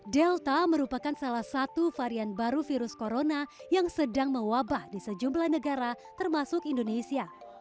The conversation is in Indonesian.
delta merupakan salah satu varian baru virus corona yang sedang mewabah di sejumlah negara termasuk indonesia